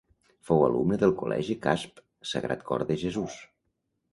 Fou alumne del Col·legi Casp-Sagrat Cor de Jesús.